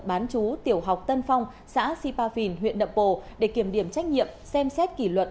bán chú tiểu học tân phong xã sipafin huyện nậm pồ để kiểm điểm trách nhiệm xem xét kỷ luật